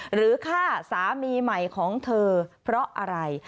หรือฆ่าสามีใหม่ของเธอเพราะอะไร